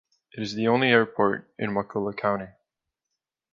It is the only airport in Wakulla County.